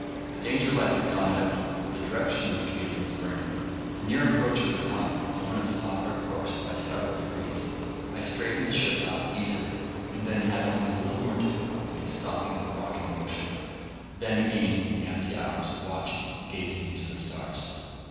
The danger light had gone out, but the direction indicator was burning. The near approach of the comet had thrown us off our course by several degrees. I straightened the ship up easily, and had only a little more difficulty in stopping a rocking motion. Then again the empty hours of watching, gazing into the stars.